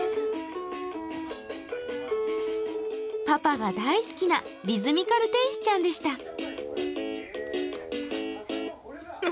パパが大好きなリズミカル天使ちゃんでした。